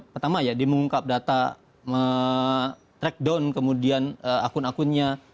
pertama ya dia mengungkap data trackdown kemudian akun akunnya